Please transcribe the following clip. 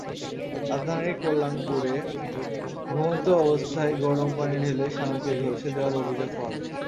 রাজধানীর কল্যাণপুরে ঘুমন্ত অবস্থায় গরম পানি ঢেলে স্বামীকে ঝলসে দেওয়ার অভিযোগ পাওয়া গেছে।